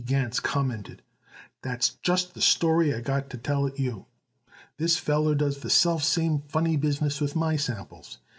B. Gans commented, "that's just the story I got to tell it you. This feller does the selfsame funny business with my samples.